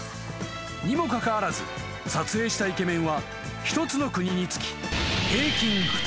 ［にもかかわらず撮影したイケメンは１つの国につき平均２人］